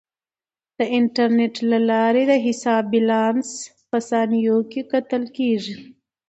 د انټرنیټ له لارې د حساب بیلانس په ثانیو کې کتل کیږي.